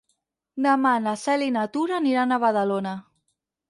Demà na Cel i na Tura aniran a Badalona.